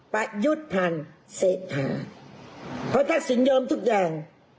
ประยุทธ์พันธุ์เศรษฐาน